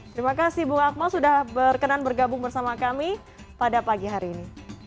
terima kasih bu akmal sudah berkenan bergabung bersama kami pada pagi hari ini